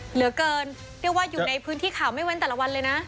เหลือเกินเรียกว่าอยู่ในพื้นที่ข่าวไม่เว้นแต่ละวันเลยนะ